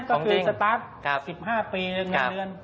ก็คือสตาร์ท๑๕ปีเรื่องเงิน